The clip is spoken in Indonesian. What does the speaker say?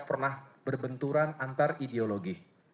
pernah berbenturan antar ideologi